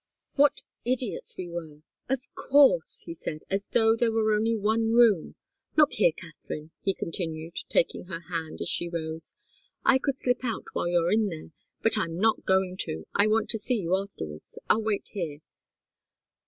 "What idiots we were of course!" he said. "As though there were only one room. Look here, Katharine," he continued, taking her hand as she rose, "I could slip out while you're in there, but I'm not going to. I want to see you afterwards. I'll wait here."